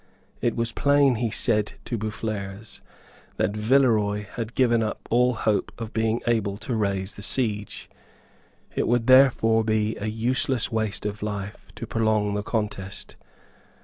It was plain, he said to Boufflers, that Villeroy had given up all hope of being able to raise the siege. It would therefore be an useless waste of life to prolong the contest.